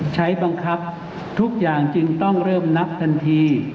ใช้บังคับทุกอย่างจึงต้องเริ่มนับทันที